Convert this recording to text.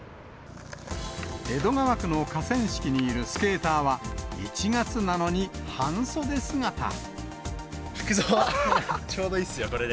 江戸川区の河川敷にいるスケーターは、服装、ちょうどいいっすよ、これで。